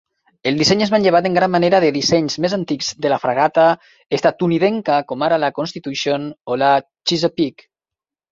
El disseny és manllevat en gran manera de dissenys més antics de la fragata estatunidenca, com ara la "Constitution" o la "Chesapeake".